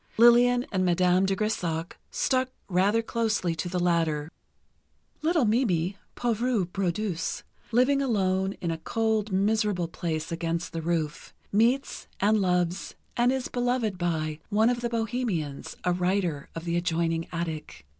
Lillian and Madame de Grésac stuck rather closely to the latter. Little Mimi, pauvre brodeuse, living alone in a cold, miserable place against the roof, meets and loves, and is beloved by, one of the bohemians, a writer, of the adjoining attic.